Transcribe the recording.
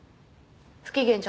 不機嫌じゃん。